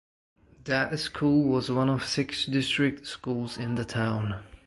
That school was one of six district schools in the town.